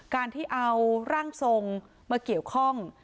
การที่เอาร่างทรงมาเกี่ยวข้อง